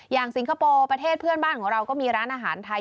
สิงคโปร์ประเทศเพื่อนบ้านของเราก็มีร้านอาหารไทย